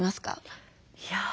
いや。